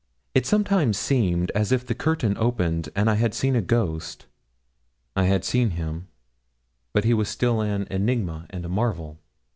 It sometimes seemed as if the curtain opened, and I had seen a ghost. I had seen him; but he was still an enigma and a marvel.